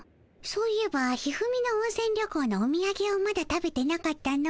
そういえば一二三の温せん旅行のおみやげをまだ食べてなかったの。